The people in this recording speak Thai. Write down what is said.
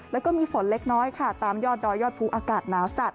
แล้วก็มีฝนเล็กน้อยค่ะตามยอดดอยยอดภูอากาศหนาวจัด